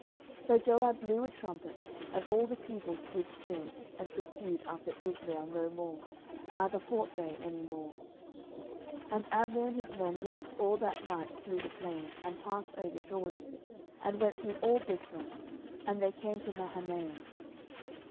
10:002:028 So Joab blew a trumpet, and all the people stood still, and pursued after Israel no more, neither fought they any more. 10:002:029 And Abner and his men walked all that night through the plain, and passed over Jordan, and went through all Bithron, and they came to Mahanaim.